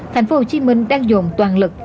thành phố hồ chí minh đang dùng toàn lực